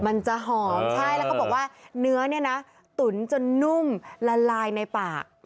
มันจะหอมใช่แล้วเขาบอกว่าเนื้อเนี่ยนะตุ๋นจนนุ่มละลายในปาก